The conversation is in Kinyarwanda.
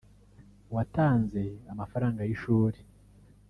Watanze amafaranga y’ishuri